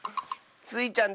スイちゃん